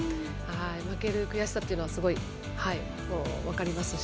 負ける悔しさというのはすごい分かりますし。